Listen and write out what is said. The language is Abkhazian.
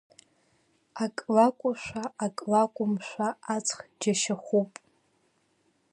Ак лакәушәа, ак лакәымшәа, аҵх џьашьахәуп!